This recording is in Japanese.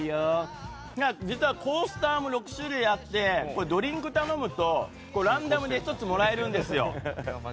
実はコースターも６種類あってドリンク頼むとランダムで１つもらえるんですよ。